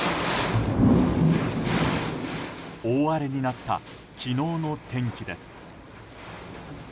大荒れになった昨日の天気です。